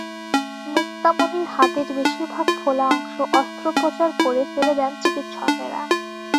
মুক্তামণির হাতের বেশির ভাগ ফোলা অংশ অস্ত্রোপচার করে ফেলে দেন চিকিৎসকেরা।